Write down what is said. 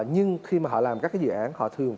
nhưng khi mà họ làm các cái dự án họ thường